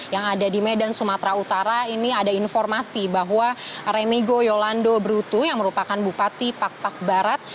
yang ada di medan sumatera utara ini ada informasi bahwa remigo yolando brutu yang merupakan bupati pak pak barat